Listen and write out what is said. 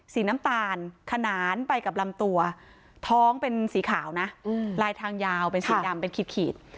สีน้ำตาลขนานไปกับลำตัวท้องเป็นสีขาวนะลายทางยาวเป็นสีดำเป็นขีด